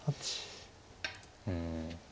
うん。